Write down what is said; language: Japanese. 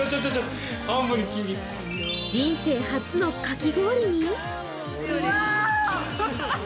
人生初のかき氷に。